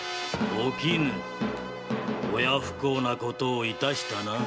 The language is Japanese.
おきぬ親不孝なことをいたしたな。